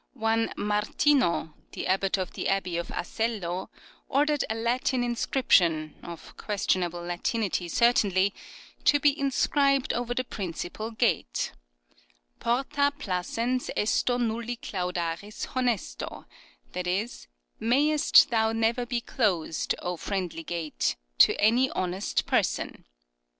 One Martino, the abbot of the abbey of Asello, ordered a Latin inscription — of questionable Latinity certainly — ^to be inscribed over the principal gate, " Porta placens esto nuUi claudaris honesto "— that is, " Mayest thou never be closed, O friendly gate, to any honest person